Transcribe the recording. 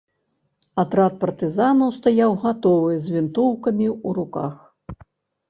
Атрад партызанаў стаяў гатовы, з вінтоўкамі ў руках.